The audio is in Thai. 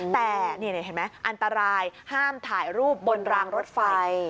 แต่นี่เห็นไหมอันตรายห้ามถ่ายรูปบนรางรถไฟ